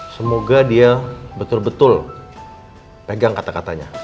semoga dia betul betul pegang kata katanya